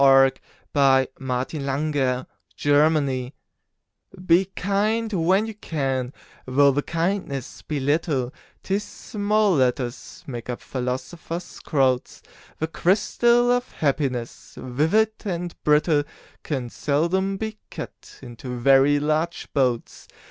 146033Be Kind When You CanEliza Cook Be kind when you can, though the kindness be little, 'Tis small letters make up philosophers' scrolls; The crystal of Happiness, vivid and brittle, Can seldom be cut into very large bowls.